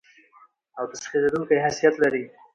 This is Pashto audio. او تسخېرېدونکى حيثيت لري.